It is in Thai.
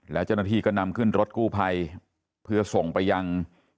แล้วเจ้าหน้าที่ก็นำขึ้นรถกู้ภัยเพื่อส่งไปยัง